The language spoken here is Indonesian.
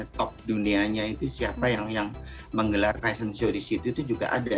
top dunianya itu siapa yang menggelar fashion show di situ itu juga ada